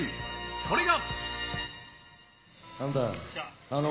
それが。